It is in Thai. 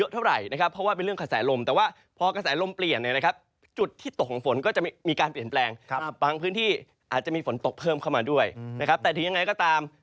แต่ทียังไงก็ตาม